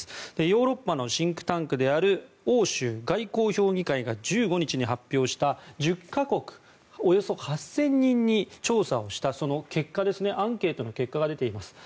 ヨーロッパのシンクタンクである欧州外交評議会が１５日に発表した１０か国およそ８０００人に調査をしたその結果アンケートの結果が出ています。